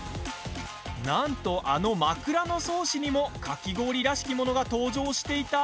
なんと、あの「枕草子」にもかき氷らしきものが登場していた？